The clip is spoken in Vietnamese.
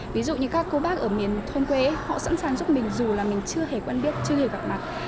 ví dụ như các cô bác ở miền thôn quê họ sẵn sàng giúp mình dù là mình chưa hề quen biết chưa hề gặp mặt